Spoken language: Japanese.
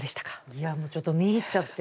いやもうちょっと見入っちゃって。